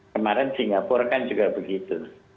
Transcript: kemarin singapura kan juga begitu